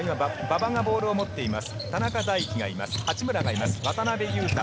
日本は馬場が今ボールを持っています。